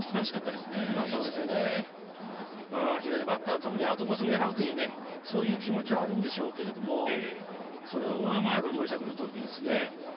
特にアウトコースを狙うというそういう気持ちはあるんでしょうけどそれを上回る森下君の投球ですね。